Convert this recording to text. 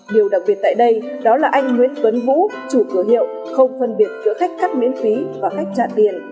điều đặc biệt tại đây đó là anh nguyễn tuấn vũ chủ cửa hiệu không phân biệt giữa khách cắt miễn phí và khách trả tiền